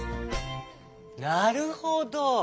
なるほど。